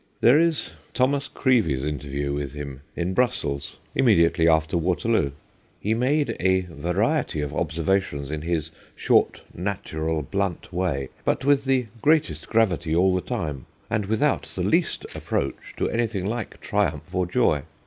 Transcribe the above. There is Thomas Creevey's interview with him in Brussels, immediately after Waterloo. * He made a variety of observations in his short, natural, blunt way, but with the greatest gravity all the time, and without the least approach to 166 THE GHOSTS OF PICCADILLY anything like triumph or joy.